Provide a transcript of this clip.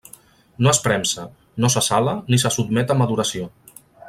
No es premsa, no se sala ni se sotmet a maduració.